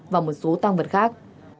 và một số tăng vật khác